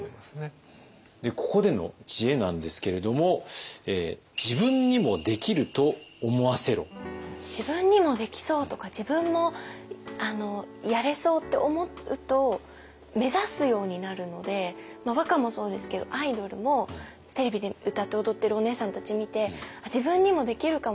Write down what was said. ここでの知恵なんですけれども「自分にもできそう」とか「自分もやれそう」って思うと目指すようになるのでまあ和歌もそうですけどアイドルもテレビで歌って踊ってるお姉さんたち見て自分にもできるかも！